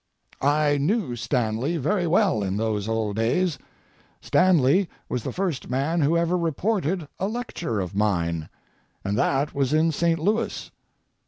I knew Stanley very well in those old days. Stanley was the first man who ever reported a lecture of mine, and that was in St. Louis.